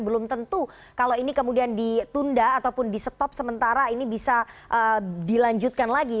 belum tentu kalau ini kemudian ditunda ataupun di stop sementara ini bisa dilanjutkan lagi